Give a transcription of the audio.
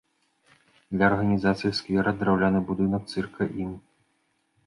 Для арганізацыі сквера драўляны будынак цырка ім.